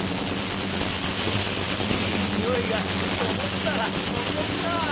いい匂いがすると思ったらここか。